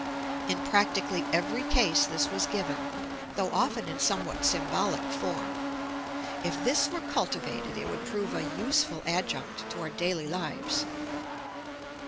In practically every case this was given, though often in somewhat symbolic form. If this were cultivated, it would prove a useful adjunct to our daily lives.